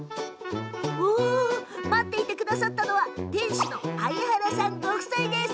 待っていてくださったのは店主の相原さんご夫妻です。